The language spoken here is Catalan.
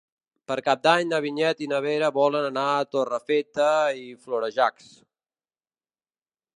Per Cap d'Any na Vinyet i na Vera volen anar a Torrefeta i Florejacs.